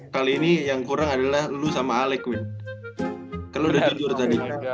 kali ini yang kurang adalah lu sama alekwi kalau udah jujur tadi